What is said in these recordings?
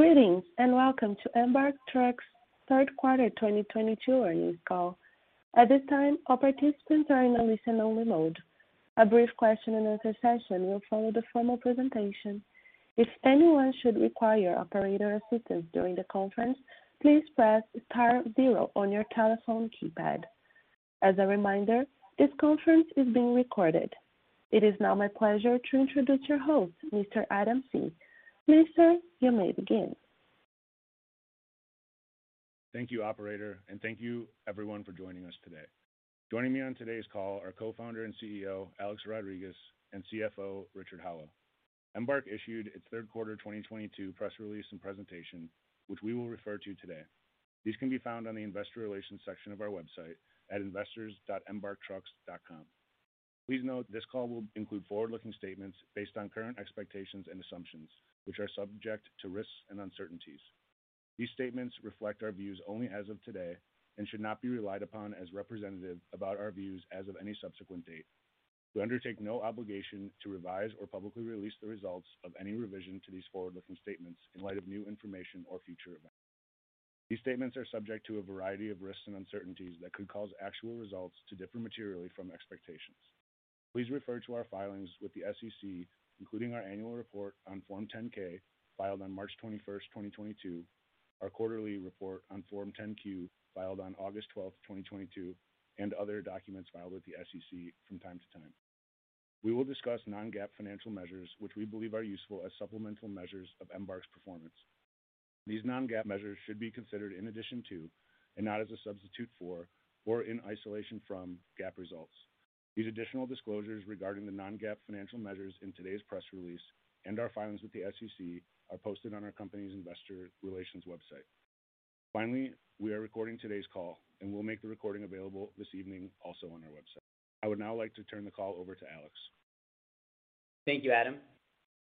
Greetings, and welcome to Embark Trucks' third quarter 2022 earnings call. At this time, all participants are in a listen-only mode. A brief question and answer session will follow the formal presentation. If anyone should require operator assistance during the conference, please press star zero on your telephone keypad. As a reminder, this conference is being recorded. It is now my pleasure to introduce your host, Mr. Adam Fee. Mister, you may begin. Thank you, operator, and thank you everyone for joining us today. Joining me on today's call are Co-founder and CEO, Alex Rodrigues, and CFO, Richard Hawwa. Embark issued its third quarter 2022 press release and presentation, which we will refer to today. These can be found on the investor relations section of our website at investors.embarktrucks.com. Please note this call will include forward-looking statements based on current expectations and assumptions, which are subject to risks and uncertainties. These statements reflect our views only as of today and should not be relied upon as representative about our views as of any subsequent date. We undertake no obligation to revise or publicly release the results of any revision to these forward-looking statements in light of new information or future events. These statements are subject to a variety of risks and uncertainties that could cause actual results to differ materially from expectations. Please refer to our filings with the SEC, including our annual report on Form 10-K, filed on March 21, 2022, our quarterly report on Form 10-Q, filed on August 12, 2022, and other documents filed with the SEC from time to time. We will discuss non-GAAP financial measures which we believe are useful as supplemental measures of Embark's performance. These non-GAAP measures should be considered in addition to, and not as a substitute for or in isolation from, GAAP results. These additional disclosures regarding the non-GAAP financial measures in today's press release and our filings with the SEC are posted on our company's investor relations website. Finally, we are recording today's call and we'll make the recording available this evening also on our website. I would now like to turn the call over to Alex. Thank you, Adam.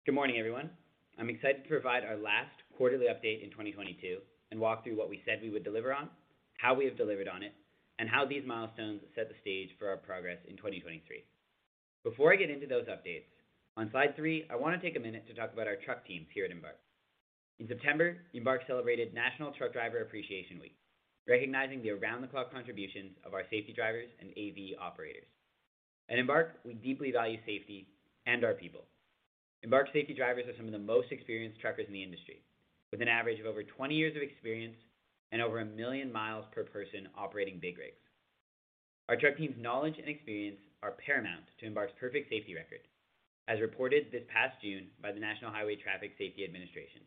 Good morning, everyone. I'm excited to provide our last quarterly update in 2022 and walk through what we said we would deliver on, how we have delivered on it, and how these milestones set the stage for our progress in 2023. Before I get into those updates, on slide three, I wanna take a minute to talk about our truck teams here at Embark. In September, Embark celebrated National Truck Driver Appreciation Week, recognizing the around-the-clock contributions of our safety drivers and AV operators. At Embark, we deeply value safety and our people. Embark safety drivers are some of the most experienced truckers in the industry, with an average of over 20 years of experience and over 1 million miles per person operating big rigs. Our truck team's knowledge and experience are paramount to Embark's perfect safety record, as reported this past June by the National Highway Traffic Safety Administration.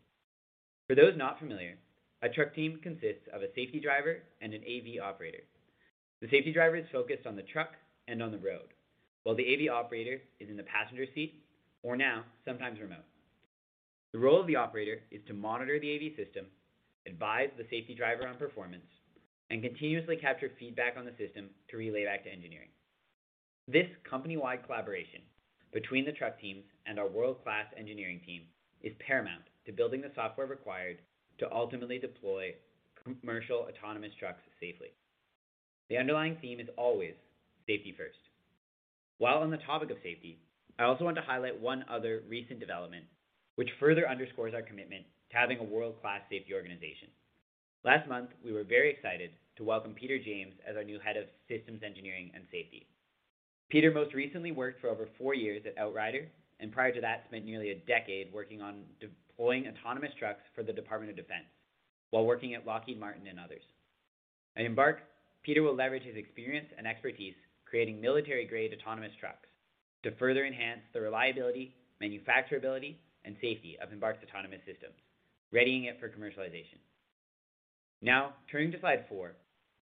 For those not familiar, a truck team consists of a safety driver and an AV operator. The safety driver is focused on the truck and on the road, while the AV operator is in the passenger seat, or now, sometimes remote. The role of the operator is to monitor the AV system, advise the safety driver on performance, and continuously capture feedback on the system to relay back to engineering. This company-wide collaboration between the truck teams and our world-class engineering team is paramount to building the software required to ultimately deploy commercial autonomous trucks safely. The underlying theme is always safety first. While on the topic of safety, I also want to highlight one other recent development which further underscores our commitment to having a world-class safety organization. Last month, we were very excited to welcome Peter James as our new Head of Systems Engineering and Safety. Peter most recently worked for over four years at Outrider, and prior to that, spent nearly a decade working on deploying autonomous trucks for the Department of Defense while working at Lockheed Martin and others. At Embark, Peter will leverage his experience and expertise creating military-grade autonomous trucks to further enhance the reliability, manufacturability, and safety of Embark's autonomous systems, readying it for commercialization. Now turning to slide four.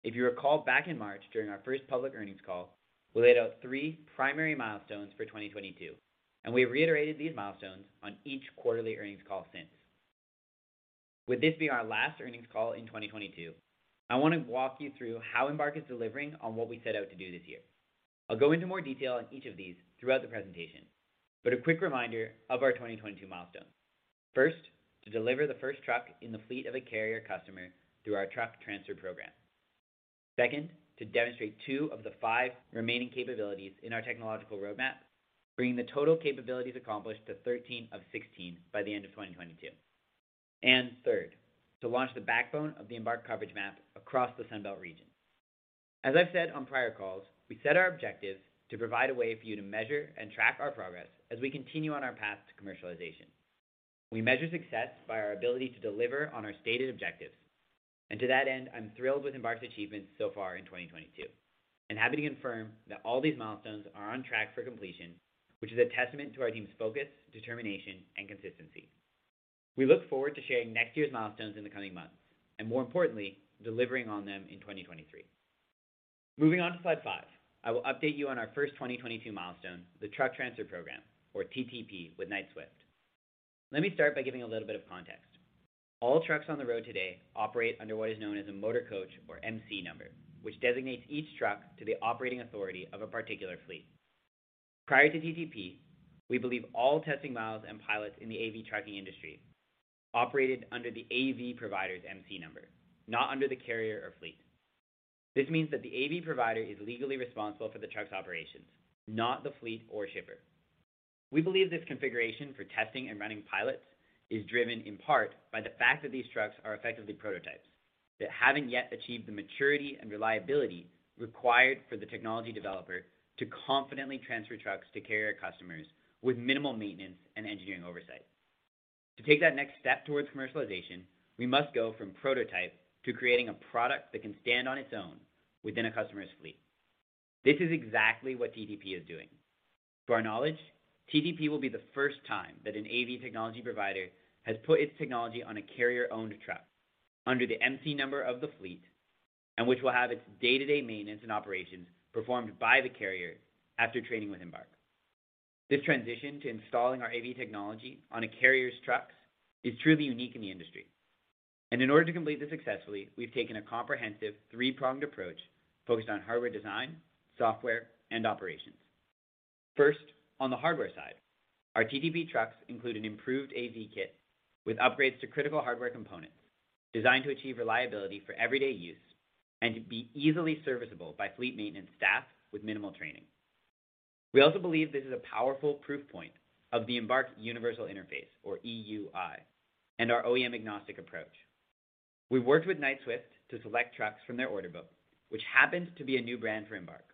If you recall back in March during our first public earnings call, we laid out three primary milestones for 2022, and we reiterated these milestones on each quarterly earnings call since. With this being our last earnings call in 2022, I wanna walk you through how Embark is delivering on what we set out to do this year. I'll go into more detail on each of these throughout the presentation, but a quick reminder of our 2022 milestones. First, to deliver the first truck in the fleet of a carrier customer through our Truck Transfer Program. Second, to demonstrate 2 of the 5 remaining capabilities in our technological roadmap, bringing the total capabilities accomplished to 13 of 16 by the end of 2022. Third, to launch the backbone of the Embark Coverage Map across the Sun Belt region. As I've said on prior calls, we set our objectives to provide a way for you to measure and track our progress as we continue on our path to commercialization. We measure success by our ability to deliver on our stated objectives. To that end, I'm thrilled with Embark's achievements so far in 2022 and happy to confirm that all these milestones are on track for completion, which is a testament to our team's focus, determination, and consistency. We look forward to sharing next year's milestones in the coming months, and more importantly, delivering on them in 2023. Moving on to slide 5. I will update you on our first 2022 milestone, the truck transfer program, or TTP, with Knight-Swift. Let me start by giving a little bit of context. All trucks on the road today operate under what is known as a Motor Carrier or MC number, which designates each truck to the operating authority of a particular fleet. Prior to TTP, we believe all testing miles and pilots in the AV trucking industry operated under the AV provider's MC number, not under the carrier or fleet. This means that the AV provider is legally responsible for the truck's operations, not the fleet or shipper. We believe this configuration for testing and running pilots is driven in part by the fact that these trucks are effectively prototypes that haven't yet achieved the maturity and reliability required for the technology developer to confidently transfer trucks to carrier customers with minimal maintenance and engineering oversight. To take that next step towards commercialization, we must go from prototype to creating a product that can stand on its own within a customer's fleet. This is exactly what TTP is doing. To our knowledge, TTP will be the first time that an AV technology provider has put its technology on a carrier-owned truck under the MC number of the fleet, and which will have its day-to-day maintenance and operations performed by the carrier after training with Embark. This transition to installing our AV technology on a carrier's trucks is truly unique in the industry. In order to complete this successfully, we've taken a comprehensive three-pronged approach focused on hardware design, software, and operations. First, on the hardware side, our TTP trucks include an improved AV kit with upgrades to critical hardware components designed to achieve reliability for everyday use and to be easily serviceable by fleet maintenance staff with minimal training. We also believe this is a powerful proof point of the Embark Universal Interface, or EUI, and our OEM-agnostic approach. We worked with Knight-Swift to select trucks from their order book, which happens to be a new brand for Embark.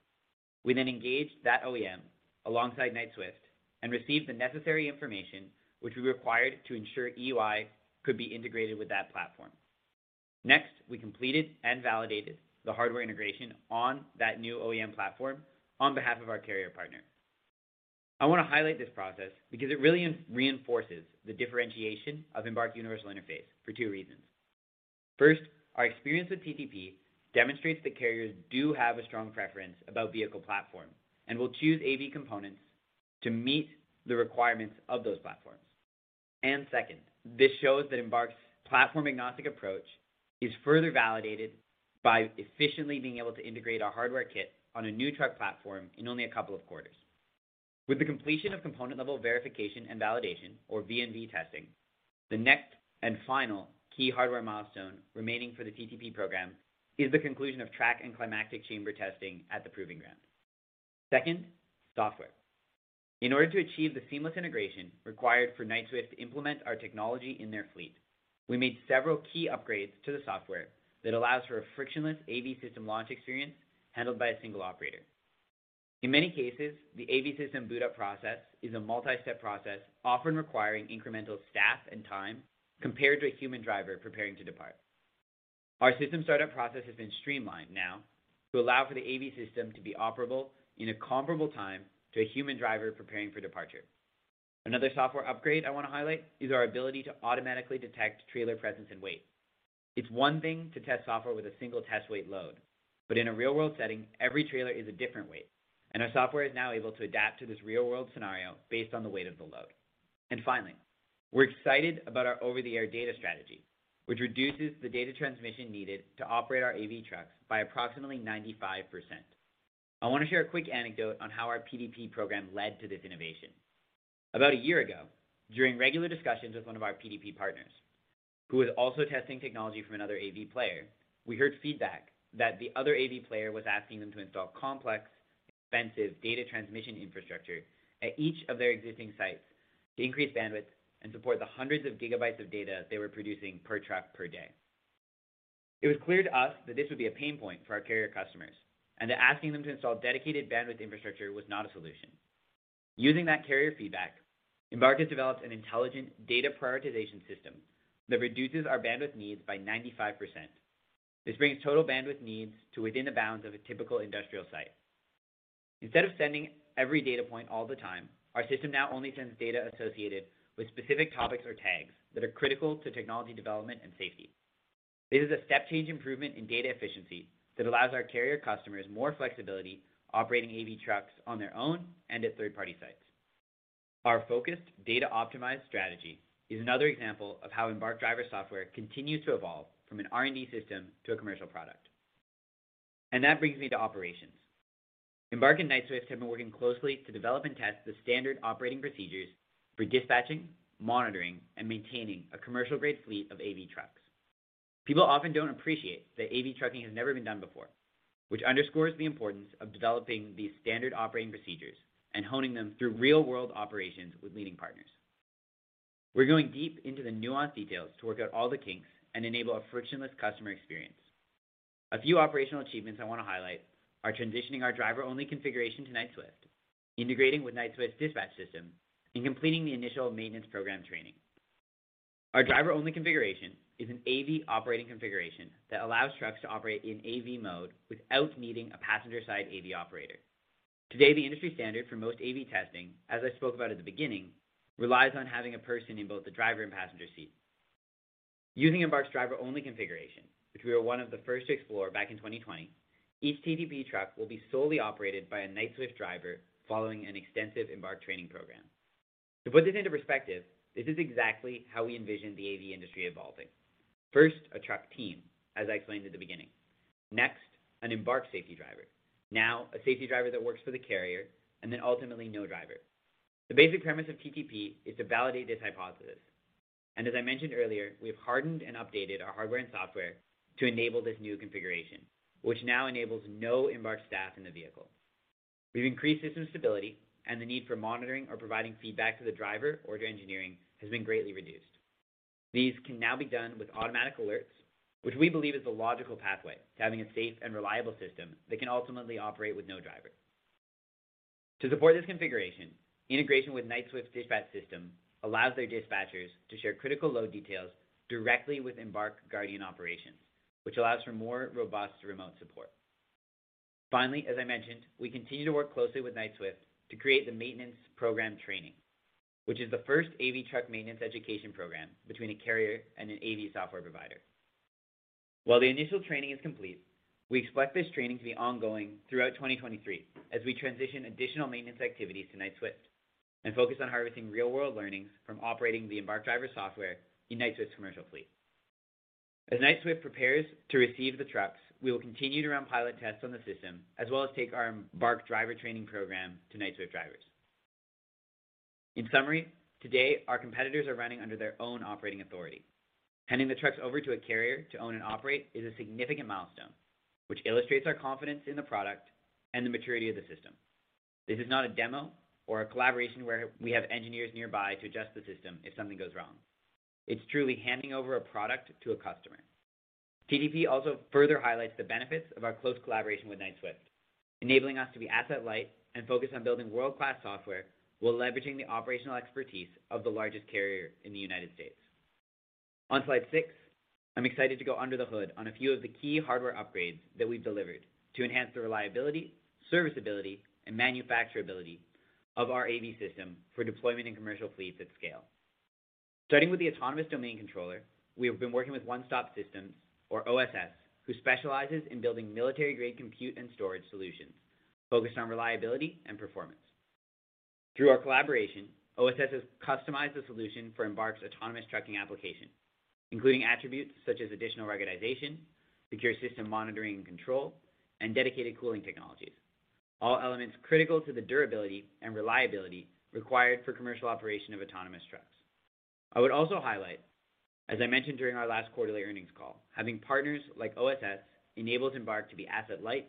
We then engaged that OEM alongside Knight-Swift and received the necessary information which we required to ensure EUI could be integrated with that platform. Next, we completed and validated the hardware integration on that new OEM platform on behalf of our carrier partner. I want to highlight this process because it really reinforces the differentiation of Embark Universal Interface for two reasons. First, our experience with TTP demonstrates that carriers do have a strong preference about vehicle platform and will choose AV components to meet the requirements of those platforms. Second, this shows that Embark's platform-agnostic approach is further validated by efficiently being able to integrate our hardware kit on a new truck platform in only a couple of quarters. With the completion of component-level verification and validation, or V&V testing, the next and final key hardware milestone remaining for the TTP program is the conclusion of track and climatic chamber testing at the proving ground. Second, software. In order to achieve the seamless integration required for Knight-Swift to implement our technology in their fleet, we made several key upgrades to the software that allows for a frictionless AV system launch experience handled by a single operator. In many cases, the AV system boot up process is a multi-step process, often requiring incremental staff and time compared to a human driver preparing to depart. Our system startup process has been streamlined now to allow for the AV system to be operable in a comparable time to a human driver preparing for departure. Another software upgrade I want to highlight is our ability to automatically detect trailer presence and weight. It's one thing to test software with a single test weight load, but in a real-world setting, every trailer is a different weight, and our software is now able to adapt to this real-world scenario based on the weight of the load. Finally, we're excited about our over-the-air data strategy, which reduces the data transmission needed to operate our AV trucks by approximately 95%. I want to share a quick anecdote on how our PDP program led to this innovation. About a year ago, during regular discussions with one of our PDP partners who was also testing technology from another AV player, we heard feedback that the other AV player was asking them to install complex, expensive data transmission infrastructure at each of their existing sites to increase bandwidth and support the hundreds of gigabytes of data they were producing per truck per day. It was clear to us that this would be a pain point for our carrier customers and that asking them to install dedicated bandwidth infrastructure was not a solution. Using that carrier feedback, Embark has developed an intelligent data prioritization system that reduces our bandwidth needs by 95%. This brings total bandwidth needs to within the bounds of a typical industrial site. Instead of sending every data point all the time, our system now only sends data associated with specific topics or tags that are critical to technology development and safety. This is a step change improvement in data efficiency that allows our carrier customers more flexibility operating AV trucks on their own and at third-party sites. Our focused data optimized strategy is another example of how Embark Driver software continues to evolve from an R&D system to a commercial product. That brings me to operations. Embark and Knight-Swift have been working closely to develop and test the standard operating procedures for dispatching, monitoring, and maintaining a commercial-grade fleet of AV trucks. People often don't appreciate that AV trucking has never been done before, which underscores the importance of developing these standard operating procedures and honing them through real-world operations with leading partners. We're going deep into the nuanced details to work out all the kinks and enable a frictionless customer experience. A few operational achievements I want to highlight are transitioning our driver-only configuration to Knight-Swift, integrating with Knight-Swift's dispatch system, and completing the initial maintenance program training. Our driver-only configuration is an AV operating configuration that allows trucks to operate in AV mode without needing a passenger-side AV operator. Today, the industry standard for most AV testing, as I spoke about at the beginning, relies on having a person in both the driver and passenger seat. Using Embark's driver-only configuration, which we were one of the first to explore back in 2020, each TTP truck will be solely operated by a Knight-Swift driver following an extensive Embark training program. To put this into perspective, this is exactly how we envision the AV industry evolving. First, a truck team, as I explained at the beginning. Next, an Embark safety driver. Now, a safety driver that works for the carrier, and then ultimately no driver. The basic premise of TTP is to validate this hypothesis. As I mentioned earlier, we have hardened and updated our hardware and software to enable this new configuration, which now enables no Embark staff in the vehicle. We've increased system stability and the need for monitoring or providing feedback to the driver or to engineering has been greatly reduced. These can now be done with automatic alerts, which we believe is the logical pathway to having a safe and reliable system that can ultimately operate with no driver. To support this configuration, integration with Knight-Swift dispatch system allows their dispatchers to share critical load details directly with Embark Guardian operations, which allows for more robust remote support. Finally, as I mentioned, we continue to work closely with Knight-Swift to create the maintenance program training, which is the first AV truck maintenance education program between a carrier and an AV software provider. While the initial training is complete, we expect this training to be ongoing throughout 2023 as we transition additional maintenance activities to Knight-Swift and focus on harvesting real-world learnings from operating the Embark Driver software in Knight-Swift commercial fleet. As Knight-Swift prepares to receive the trucks, we will continue to run pilot tests on the system, as well as take our Embark Driver training program to Knight-Swift drivers. In summary, today our competitors are running under their own operating authority. Handing the trucks over to a carrier to own and operate is a significant milestone, which illustrates our confidence in the product and the maturity of the system. This is not a demo or a collaboration where we have engineers nearby to adjust the system if something goes wrong. It's truly handing over a product to a customer. TDP also further highlights the benefits of our close collaboration with Knight-Swift, enabling us to be asset light and focused on building world-class software while leveraging the operational expertise of the largest carrier in the United States. On slide 6, I'm excited to go under the hood on a few of the key hardware upgrades that we've delivered to enhance the reliability, serviceability, and manufacturability of our AV system for deployment in commercial fleets at scale. Starting with the autonomous domain controller, we have been working with One Stop Systems, or OSS, who specializes in building military-grade compute and storage solutions focused on reliability and performance. Through our collaboration, OSS has customized the solution for Embark's autonomous trucking application, including attributes such as additional ruggedization, secure system monitoring and control, and dedicated cooling technologies, all elements critical to the durability and reliability required for commercial operation of autonomous trucks. I would also highlight, as I mentioned during our last quarterly earnings call, having partners like OSS enables Embark to be asset light,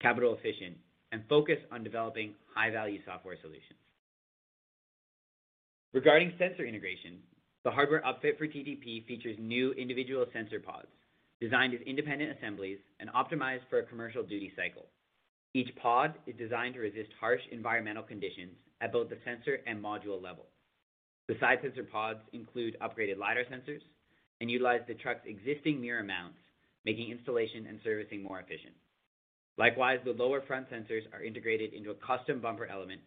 capital efficient, and focused on developing high-value software solutions. Regarding sensor integration, the hardware upfit for TTP features new individual sensor pods designed as independent assemblies and optimized for a commercial duty cycle. Each pod is designed to resist harsh environmental conditions at both the sensor and module level. The side sensor pods include upgraded lidar sensors and utilize the truck's existing mirror mounts, making installation and servicing more efficient. Likewise, the lower front sensors are integrated into a custom bumper element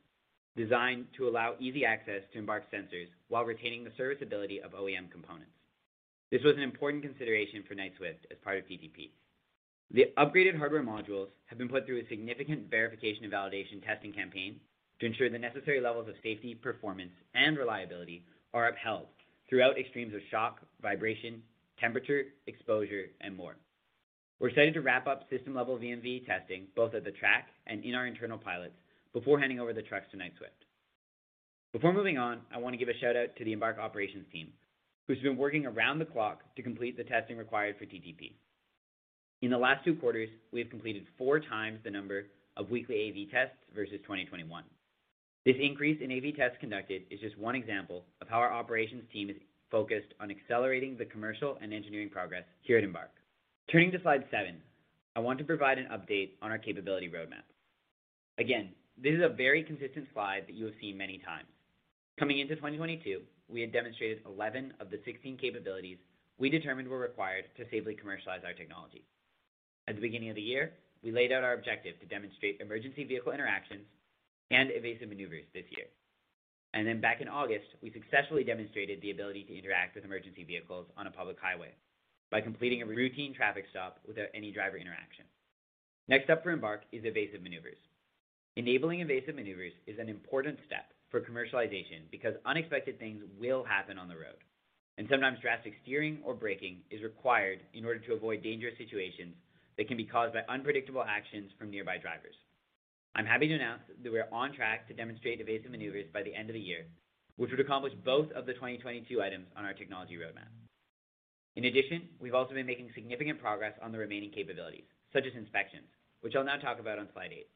designed to allow easy access to Embark's sensors while retaining the serviceability of OEM components. This was an important consideration for Knight-Swift as part of TTP. The upgraded hardware modules have been put through a significant verification and validation testing campaign to ensure the necessary levels of safety, performance, and reliability are upheld throughout extremes of shock, vibration, temperature, exposure, and more. We're excited to wrap up system-level V&V testing both at the track and in our internal pilots before handing over the trucks to Knight-Swift. Before moving on, I want to give a shout-out to the Embark operations team, who's been working around the clock to complete the testing required for TTP. In the last 2 quarters, we have completed 4 times the number of weekly AV tests versus 2021. This increase in AV tests conducted is just one example of how our operations team is focused on accelerating the commercial and engineering progress here at Embark. Turning to slide 7, I want to provide an update on our capability roadmap. Again, this is a very consistent slide that you have seen many times. Coming into 2022, we had demonstrated 11 of the 16 capabilities we determined were required to safely commercialize our technology. At the beginning of the year, we laid out our objective to demonstrate emergency vehicle interactions and evasive maneuvers this year. Back in August, we successfully demonstrated the ability to interact with emergency vehicles on a public highway by completing a routine traffic stop without any driver interaction. Next up for Embark is evasive maneuvers. Enabling evasive maneuvers is an important step for commercialization because unexpected things will happen on the road, and sometimes drastic steering or braking is required in order to avoid dangerous situations that can be caused by unpredictable actions from nearby drivers. I'm happy to announce that we are on track to demonstrate evasive maneuvers by the end of the year, which would accomplish both of the 2022 items on our technology roadmap. In addition, we've also been making significant progress on the remaining capabilities, such as inspections, which I'll now talk about on slide eight.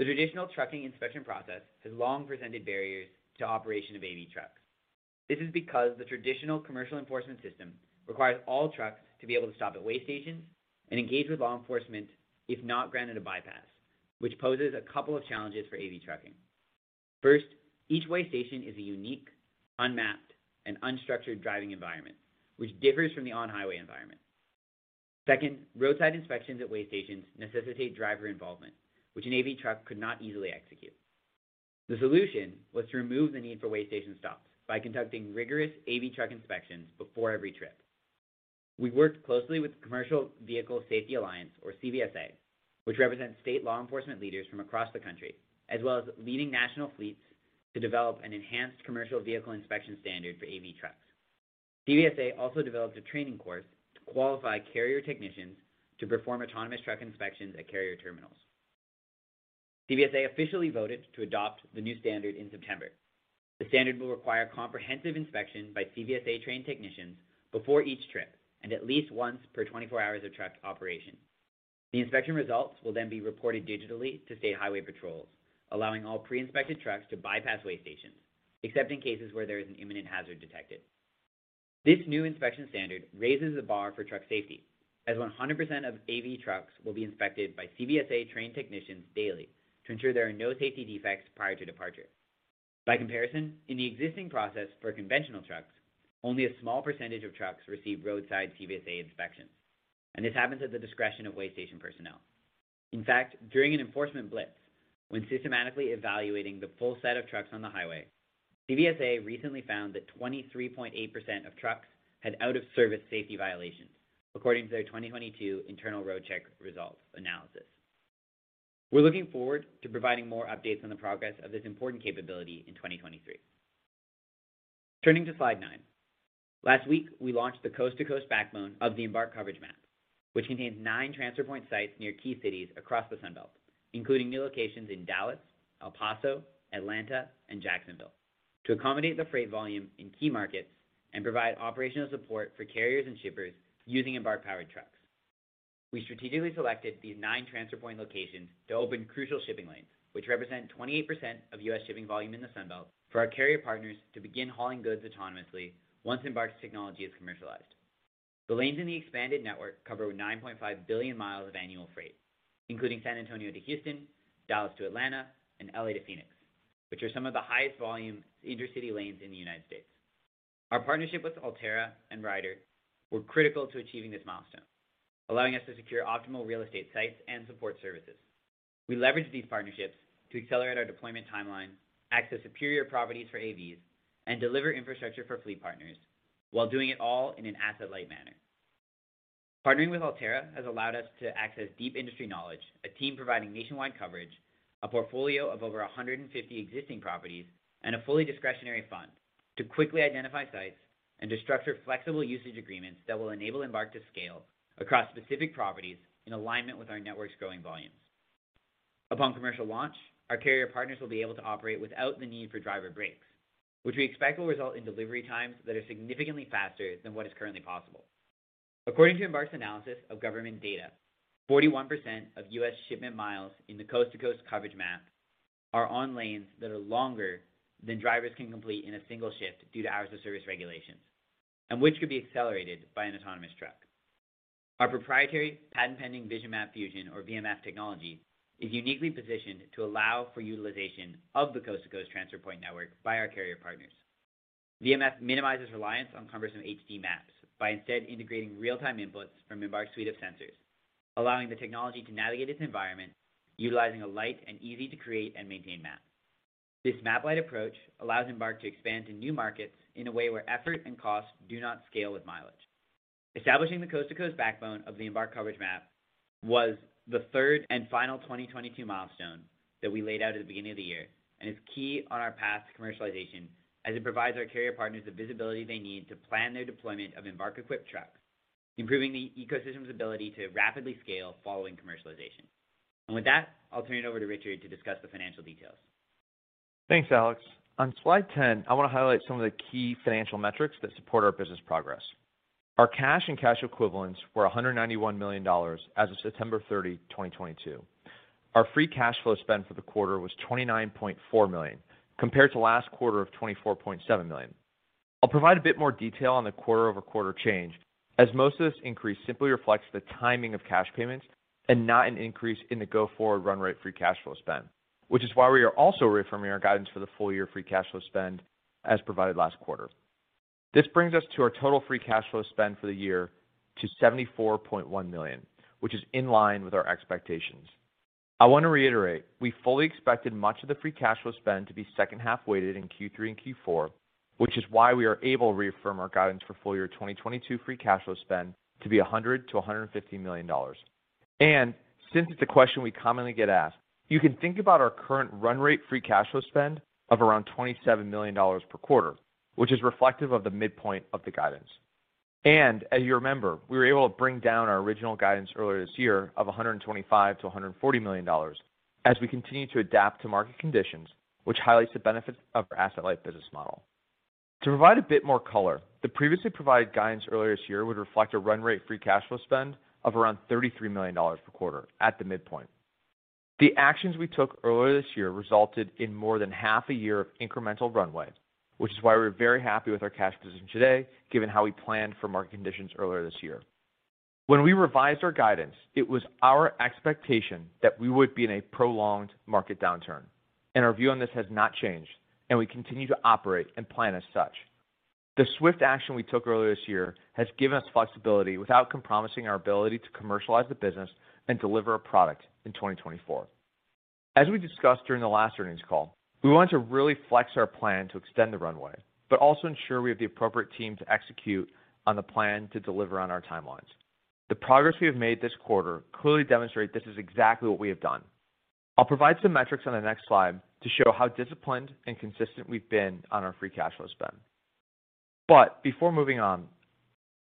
The traditional trucking inspection process has long presented barriers to operation of AV trucks. This is because the traditional commercial enforcement system requires all trucks to be able to stop at weigh stations and engage with law enforcement if not granted a bypass, which poses a couple of challenges for AV trucking. First, each weigh station is a unique, unmapped, and unstructured driving environment which differs from the on-highway environment. Second, roadside inspections at weigh stations necessitate driver involvement, which an AV truck could not easily execute. The solution was to remove the need for weigh station stops by conducting rigorous AV truck inspections before every trip. We worked closely with the Commercial Vehicle Safety Alliance, or CVSA, which represents state law enforcement leaders from across the country, as well as leading national fleets to develop an enhanced commercial vehicle inspection standard for AV trucks. CVSA also developed a training course to qualify carrier technicians to perform autonomous truck inspections at carrier terminals. CVSA officially voted to adopt the new standard in September. The standard will require comprehensive inspection by CVSA trained technicians before each trip and at least once per 24 hours of truck operation. The inspection results will then be reported digitally to state highway patrols, allowing all pre-inspected trucks to bypass weigh stations, except in cases where there is an imminent hazard detected. This new inspection standard raises the bar for truck safety as 100% of AV trucks will be inspected by CVSA trained technicians daily to ensure there are no safety defects prior to departure. By comparison, in the existing process for conventional trucks, only a small percentage of trucks receive roadside CVSA inspections, and this happens at the discretion of weigh station personnel. In fact, during an enforcement blitz when systematically evaluating the full set of trucks on the highway, CVSA recently found that 23.8% of trucks had out of service safety violations, according to their 2022 internal road check results analysis. We're looking forward to providing more updates on the progress of this important capability in 2023. Turning to slide nine. Last week, we launched the coast to coast backbone of the Embark Coverage Map, which contains nine transfer point sites near key cities across the Sun Belt, including new locations in Dallas, El Paso, Atlanta, and Jacksonville to accommodate the freight volume in key markets and provide operational support for carriers and shippers using Embark-powered trucks. We strategically selected these nine transfer point locations to open crucial shipping lanes, which represent 28% of U.S. shipping volume in the Sun Belt for our carrier partners to begin hauling goods autonomously once Embark's technology is commercialized. The lanes in the expanded network cover 9.5 billion miles of annual freight, including San Antonio to Houston, Dallas to Atlanta, and L.A. to Phoenix, which are some of the highest volume intercity lanes in the United States. Our partnership with Alterra and Ryder were critical to achieving this milestone, allowing us to secure optimal real estate sites and support services. We leveraged these partnerships to accelerate our deployment timeline, access superior properties for AVs and deliver infrastructure for fleet partners while doing it all in an asset-light manner. Partnering with Alterra has allowed us to access deep industry knowledge, a team providing nationwide coverage, a portfolio of over 150 existing properties, and a fully discretionary fund to quickly identify sites and to structure flexible usage agreements that will enable Embark to scale across specific properties in alignment with our network's growing volumes. Upon commercial launch, our carrier partners will be able to operate without the need for driver breaks, which we expect will result in delivery times that are significantly faster than what is currently possible. According to Embark's analysis of government data, 41% of US shipment miles in the coast-to-coast coverage map are on lanes that are longer than drivers can complete in a single shift due to hours of service regulations and which could be accelerated by an autonomous truck. Our proprietary patent-pending Vision Map Fusion, or VMF technology, is uniquely positioned to allow for utilization of the coast-to-coast transfer point network by our carrier partners. VMF minimizes reliance on cumbersome HD maps by instead integrating real-time inputs from Embark's suite of sensors, allowing the technology to navigate its environment utilizing a light and easy to create and maintain map. This map light approach allows Embark to expand to new markets in a way where effort and cost do not scale with mileage. Establishing the coast-to-coast backbone of the Embark Coverage Map was the third and final 2022 milestone that we laid out at the beginning of the year and is key on our path to commercialization as it provides our carrier partners the visibility they need to plan their deployment of Embark-equipped trucks, improving the ecosystem's ability to rapidly scale following commercialization. With that, I'll turn it over to Richard to discuss the financial details. Thanks, Alex. On slide ten, I want to highlight some of the key financial metrics that support our business progress. Our cash and cash equivalents were $191 million as of September 30, 2022. Our free cash flow spend for the quarter was $29.4 million compared to last quarter of $24.7 million. I'll provide a bit more detail on the quarter-over-quarter change, as most of this increase simply reflects the timing of cash payments and not an increase in the go forward run rate free cash flow spend. Which is why we are also reaffirming our guidance for the full year free cash flow spend as provided last quarter. This brings us to our total free cash flow spend for the year to $74.1 million, which is in line with our expectations. I want to reiterate, we fully expected much of the free cash flow spend to be second half weighted in Q3 and Q4, which is why we are able to reaffirm our guidance for full year 2022 free cash flow spend to be $100-$150 million. Since it's a question we commonly get asked, you can think about our current run rate free cash flow spend of around $27 million per quarter, which is reflective of the midpoint of the guidance. As you remember, we were able to bring down our original guidance earlier this year of $125-$140 million as we continue to adapt to market conditions, which highlights the benefits of our asset-light business model. To provide a bit more color, the previously provided guidance earlier this year would reflect a run rate free cash flow spend of around $33 million per quarter at the midpoint. The actions we took earlier this year resulted in more than half a year of incremental runway, which is why we're very happy with our cash position today, given how we planned for market conditions earlier this year. When we revised our guidance, it was our expectation that we would be in a prolonged market downturn, and our view on this has not changed, and we continue to operate and plan as such. The swift action we took earlier this year has given us flexibility without compromising our ability to commercialize the business and deliver a product in 2024. As we discussed during the last earnings call, we want to really flex our plan to extend the runway, but also ensure we have the appropriate team to execute on the plan to deliver on our timelines. The progress we have made this quarter clearly demonstrate this is exactly what we have done. I'll provide some metrics on the next slide to show how disciplined and consistent we've been on our free cash flow spend. Before moving on,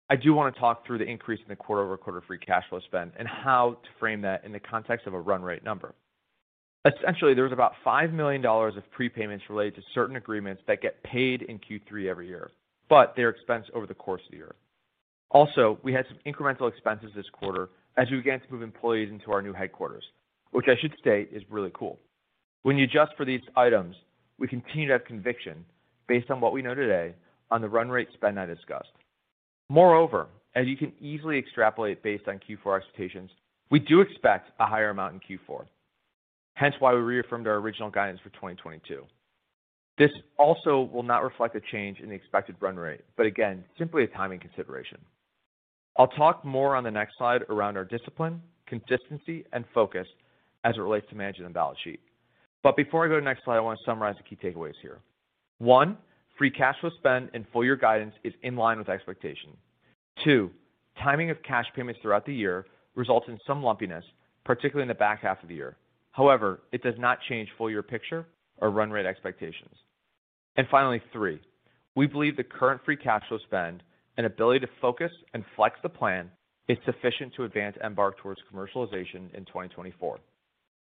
I do wanna talk through the increase in the quarter-over-quarter free cash flow spend and how to frame that in the context of a run rate number. Essentially, there was about $5 million of prepayments related to certain agreements that get paid in Q3 every year, but they're expensed over the course of the year. We had some incremental expenses this quarter as we began to move employees into our new headquarters, which I should state is really cool. When you adjust for these items, we continue to have conviction based on what we know today on the run rate spend I discussed. Moreover, as you can easily extrapolate based on Q4 expectations, we do expect a higher amount in Q4. Hence why we reaffirmed our original guidance for 2022. This also will not reflect a change in the expected run rate, but again, simply a timing consideration. I'll talk more on the next slide around our discipline, consistency, and focus as it relates to managing the balance sheet. Before I go to the next slide, I wanna summarize the key takeaways here. One, free cash flow spend and full year guidance is in line with expectation. 2, timing of cash payments throughout the year results in some lumpiness, particularly in the back half of the year. However, it does not change full year picture or run rate expectations. Finally, 3, we believe the current free cash flow spend and ability to focus and flex the plan is sufficient to advance Embark towards commercialization in 2024.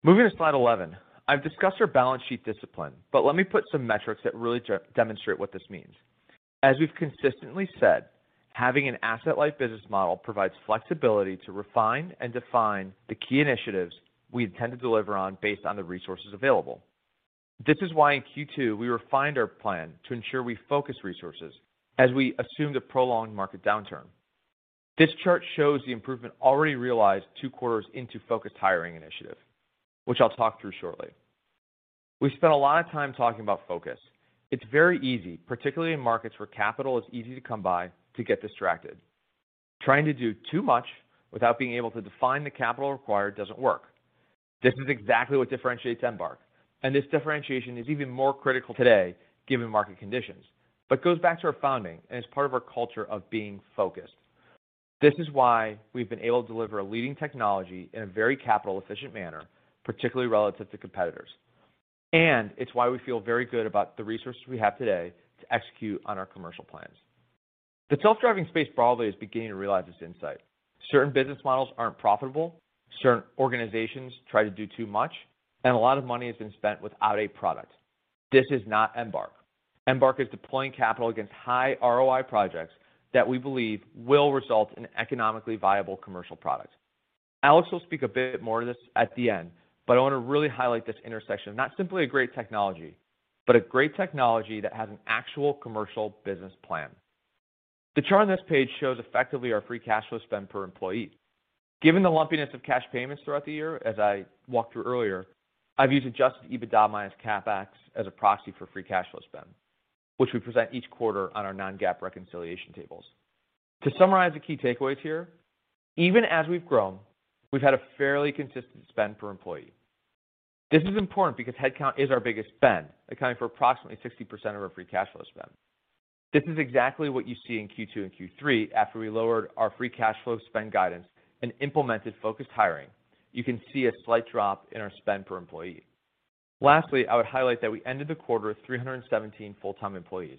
Moving to slide 11. I've discussed our balance sheet discipline, but let me put some metrics that really demonstrate what this means. As we've consistently said, having an asset-light business model provides flexibility to refine and define the key initiatives we intend to deliver on based on the resources available. This is why in Q2, we refined our plan to ensure we focus resources as we assume the prolonged market downturn. This chart shows the improvement already realized 2 quarters into focused hiring initiative, which I'll talk through shortly. We spent a lot of time talking about focus. It's very easy, particularly in markets where capital is easy to come by, to get distracted. Trying to do too much without being able to define the capital required doesn't work. This is exactly what differentiates Embark, and this differentiation is even more critical today given market conditions, but goes back to our founding and is part of our culture of being focused. This is why we've been able to deliver a leading technology in a very capital efficient manner, particularly relative to competitors. It's why we feel very good about the resources we have today to execute on our commercial plans. The self-driving space broadly is beginning to realize this insight. Certain business models aren't profitable, certain organizations try to do too much, and a lot of money has been spent without a product. This is not Embark. Embark is deploying capital against high ROI projects that we believe will result in economically viable commercial products. Alex will speak a bit more to this at the end, but I wanna really highlight this intersection. Not simply a great technology, but a great technology that has an actual commercial business plan. The chart on this page shows effectively our free cash flow spend per employee. Given the lumpiness of cash payments throughout the year, as I walked through earlier, I've used adjusted EBITDA minus CapEx as a proxy for free cash flow spend, which we present each quarter on our non-GAAP reconciliation tables. To summarize the key takeaways here, even as we've grown, we've had a fairly consistent spend per employee. This is important because headcount is our biggest spend, accounting for approximately 60% of our free cash flow spend. This is exactly what you see in Q2 and Q3 after we lowered our free cash flow spend guidance and implemented focused hiring. You can see a slight drop in our spend per employee. Lastly, I would highlight that we ended the quarter with 317 full-time employees.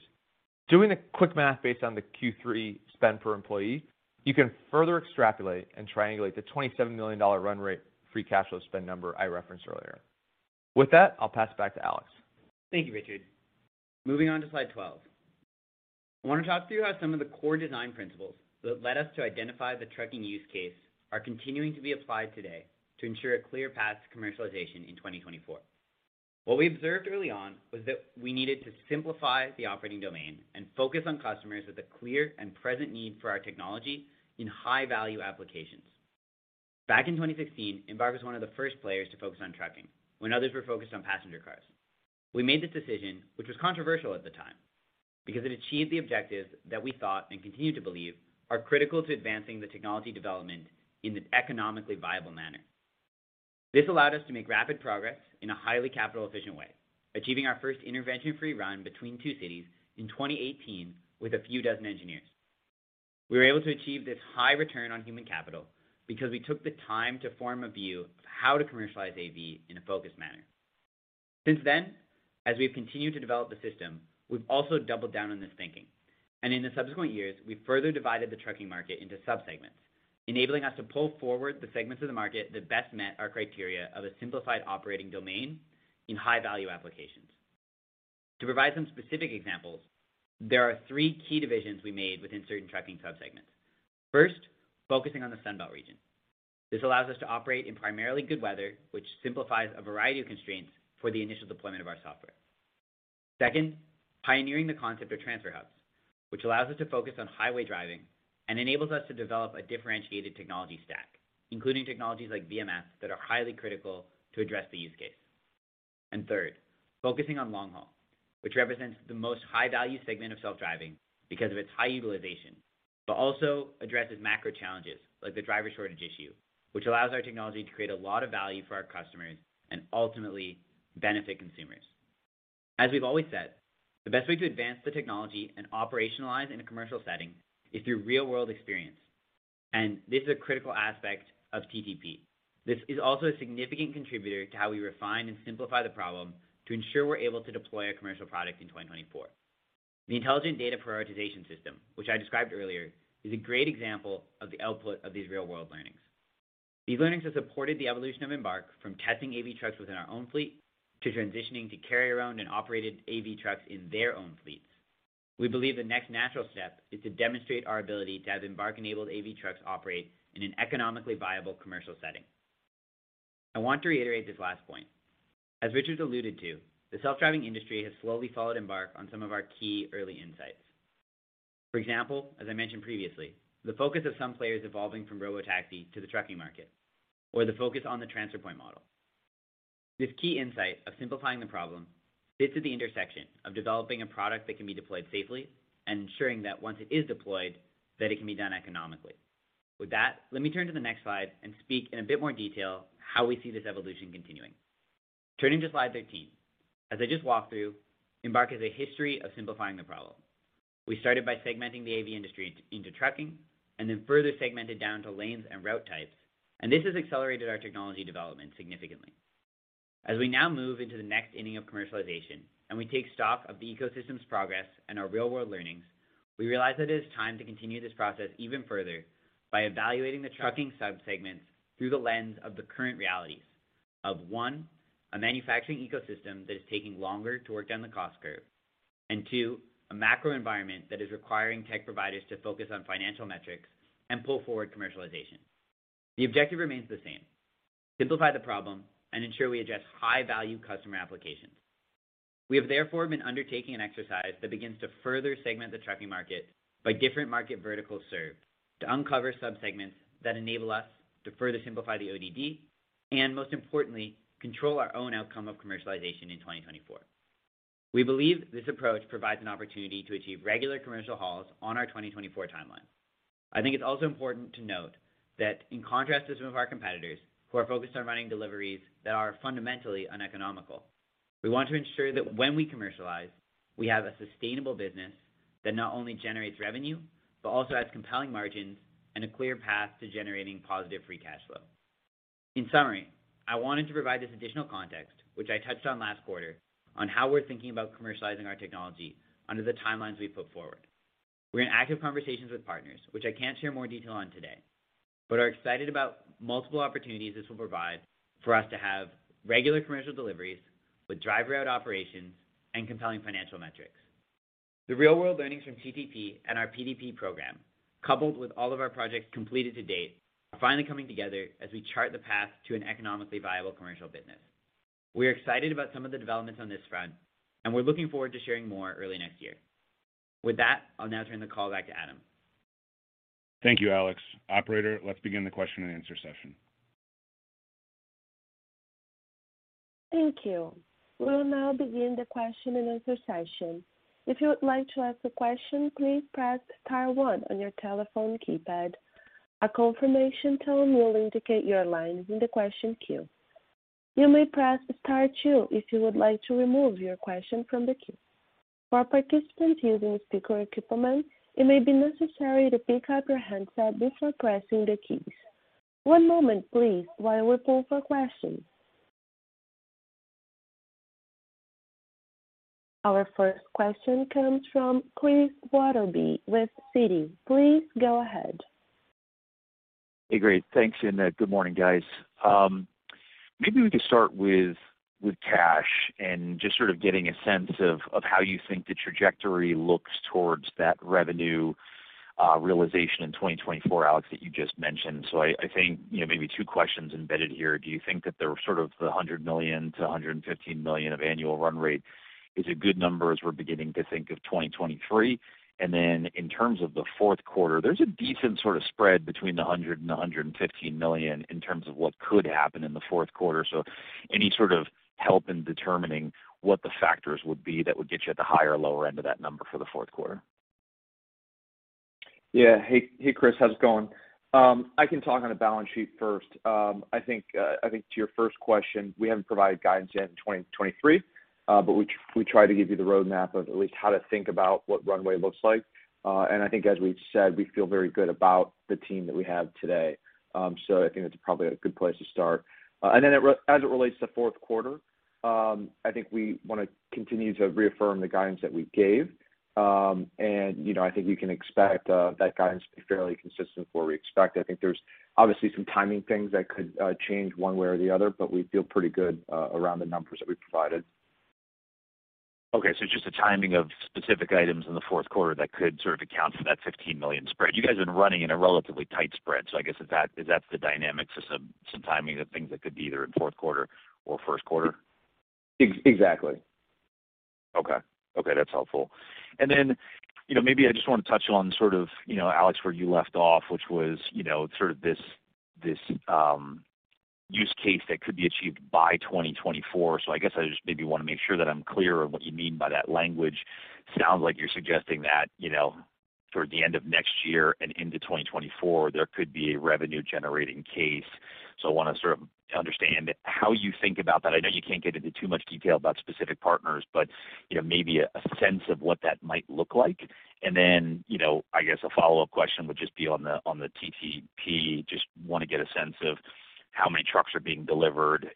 Doing the quick math based on the Q3 spend per employee, you can further extrapolate and triangulate the $27 million run rate free cash flow spend number I referenced earlier. With that, I'll pass it back to Alex. Thank you, Richard. Moving on to slide 12. I wanna talk through how some of the core design principles that led us to identify the trucking use case are continuing to be applied today to ensure a clear path to commercialization in 2024. What we observed early on was that we needed to simplify the operating domain and focus on customers with a clear and present need for our technology in high value applications. Back in 2016, Embark was one of the first players to focus on trucking when others were focused on passenger cars. We made this decision, which was controversial at the time, because it achieved the objectives that we thought and continue to believe are critical to advancing the technology development in an economically viable manner. This allowed us to make rapid progress in a highly capital efficient way, achieving our first intervention free run between two cities in 2018 with a few dozen engineers. We were able to achieve this high return on human capital because we took the time to form a view of how to commercialize AV in a focused manner. Since then, as we've continued to develop the system, we've also doubled down on this thinking. In the subsequent years, we've further divided the trucking market into sub-segments, enabling us to pull forward the segments of the market that best met our criteria of a simplified operating domain in high value applications. To provide some specific examples, there are three key divisions we made within certain trucking sub-segments. First, focusing on the Sun Belt region. This allows us to operate in primarily good weather, which simplifies a variety of constraints for the initial deployment of our software. Second, pioneering the concept of transfer hubs, which allows us to focus on highway driving and enables us to develop a differentiated technology stack, including technologies like VMF that are highly critical to address the use case. Third, focusing on long haul, which represents the most high value segment of self-driving because of its high utilization, but also addresses macro challenges like the driver shortage issue, which allows our technology to create a lot of value for our customers and ultimately benefit consumers. As we've always said, the best way to advance the technology and operationalize in a commercial setting is through real-world experience. This is a critical aspect of TTP. This is also a significant contributor to how we refine and simplify the problem to ensure we're able to deploy a commercial product in 2024. The intelligent data prioritization system, which I described earlier, is a great example of the output of these real-world learnings. These learnings have supported the evolution of Embark from testing AV trucks within our own fleet to transitioning to carrier-owned and operated AV trucks in their own fleets. We believe the next natural step is to demonstrate our ability to have Embark-enabled AV trucks operate in an economically viable commercial setting. I want to reiterate this last point. As Richard alluded to, the self-driving industry has slowly followed Embark on some of our key early insights. For example, as I mentioned previously, the focus of some players evolving from robotaxi to the trucking market, or the focus on the transfer point model. This key insight of simplifying the problem fits at the intersection of developing a product that can be deployed safely and ensuring that once it is deployed, that it can be done economically. With that, let me turn to the next slide and speak in a bit more detail how we see this evolution continuing. Turning to slide 13. As I just walked through, Embark has a history of simplifying the problem. We started by segmenting the AV industry into trucking and then further segmented down to lanes and route types, and this has accelerated our technology development significantly. As we now move into the next inning of commercialization, and we take stock of the ecosystem's progress and our real-world learnings, we realize that it is time to continue this process even further by evaluating the trucking subsegments through the lens of the current realities of, one, a manufacturing ecosystem that is taking longer to work down the cost curve, and two, a macro environment that is requiring tech providers to focus on financial metrics and pull forward commercialization. The objective remains the same, simplify the problem and ensure we address high-value customer applications. We have therefore been undertaking an exercise that begins to further segment the trucking market by different market verticals served to uncover subsegments that enable us to further simplify the ODD and most importantly, control our own outcome of commercialization in 2024. We believe this approach provides an opportunity to achieve regular commercial hauls on our 2024 timeline. I think it's also important to note that in contrast to some of our competitors who are focused on running deliveries that are fundamentally uneconomical, we want to ensure that when we commercialize, we have a sustainable business that not only generates revenue, but also has compelling margins and a clear path to generating positive free cash flow. In summary, I wanted to provide this additional context, which I touched on last quarter, on how we're thinking about commercializing our technology under the timelines we put forward. We're in active conversations with partners, which I can't share more detail on today, but are excited about multiple opportunities this will provide for us to have regular commercial deliveries with driver out operations and compelling financial metrics. The real-world learnings from TTP and our PDP program, coupled with all of our projects completed to date, are finally coming together as we chart the path to an economically viable commercial business. We are excited about some of the developments on this front, and we're looking forward to sharing more early next year. With that, I'll now turn the call back to Adam. Thank you, Alex. Operator, let's begin the question and answer session. Thank you. We'll now begin the question and answer session. If you would like to ask a question, please press star one on your telephone keypad. A confirmation tone will indicate your line is in the question queue. You may press star two if you would like to remove your question from the queue. For participants using speaker equipment, it may be necessary to pick up your handset before pressing the keys. One moment, please, while we pull for questions. Our first question comes from Chris Wetherbee with Citi. Please go ahead. Hey, great. Thanks, and good morning, guys. Maybe we could start with cash and just sort of getting a sense of how you think the trajectory looks towards that revenue realization in 2024, Alex, that you just mentioned. I think, you know, maybe two questions embedded here. Do you think that they're sort of the $100 million-$115 million of annual run rate is a good number as we're beginning to think of 2023? And then in terms of the fourth quarter, there's a decent sort of spread between the $100 million and the $115 million in terms of what could happen in the fourth quarter. Any sort of help in determining what the factors would be that would get you at the higher or lower end of that number for the fourth quarter? Yeah. Hey, Chris. How's it going? I can talk on the balance sheet first. I think to your first question, we haven't provided guidance yet in 2023, but we try to give you the roadmap of at least how to think about what runway looks like. I think as we've said, we feel very good about the team that we have today. I think that's probably a good place to start. As it relates to fourth quarter, I think we wanna continue to reaffirm the guidance that we gave. You know, I think we can expect that guidance to be fairly consistent for we expect. I think there's obviously some timing things that could change one way or the other, but we feel pretty good around the numbers that we provided. Okay, just the timing of specific items in the fourth quarter that could sort of account for that $15 million spread. You guys have been running in a relatively tight spread. I guess, is that the dynamic to some timing of things that could be either in fourth quarter or first quarter? Ex-exactly. Okay. Okay, that's helpful. You know, maybe I just wanna touch on sort of, you know, Alex, where you left off, which was, you know, sort of this use case that could be achieved by 2024. I guess I just maybe wanna make sure that I'm clear on what you mean by that language. Sounds like you're suggesting that, you know, toward the end of next year and into 2024, there could be a revenue generating case. I wanna sort of understand how you think about that. I know you can't get into too much detail about specific partners, but, you know, maybe a sense of what that might look like. You know, I guess a follow-up question would just be on the TTP. Just wanna get a sense of how many trucks are being delivered,